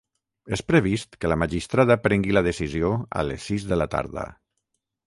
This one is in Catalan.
És previst que la magistrada prengui la decisió a les sis de la tarda.